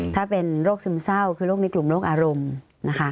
ถ้าเป็นโรคซึมเศร้าคือโรคในกลุ่มโรคอารมณ์นะคะ